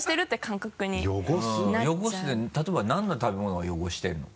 汚すって例えばなんの食べ物が汚してるの？